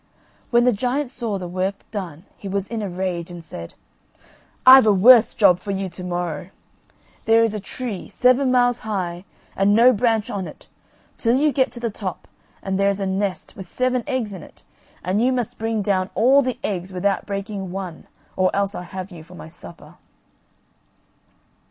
When the giant saw the work done he was in a rage, and said: "I've a worse job for you to morrow; there is a tree, seven miles high, and no branch on it, till you get to the top, and there is a nest with seven eggs in it, and you must bring down all the eggs without breaking one, or else I'll have you for my supper."